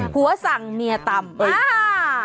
ผัวสั่งเมียตำ